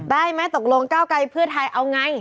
ได้ไหมตกลงก้าวไกลเพื่อไทยเอาไง